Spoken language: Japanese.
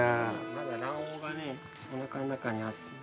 ◆まだ卵黄がおなかの中にあって。